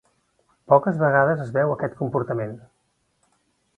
Poques vegades es veu aquest comportament.